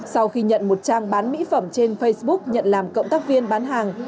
sau khi nhận một trang bán mỹ phẩm trên facebook nhận làm cộng tác viên bán hàng